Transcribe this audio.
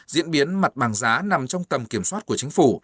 diễn biến mặt bằng giá nằm trong tầm kiểm soát của chính phủ